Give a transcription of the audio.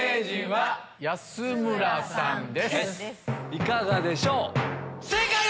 いかがでしょう？